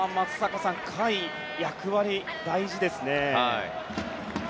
甲斐の役割、大事ですね。